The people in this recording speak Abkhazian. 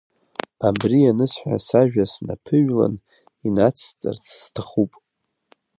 Абри анысҳәа, сажәа снаԥыҩлан инацсҵарц сҭахуп.